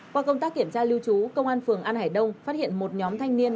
qua công tác kiểm tra lưu trú công an phường an hải đông phát hiện một nhóm thanh niên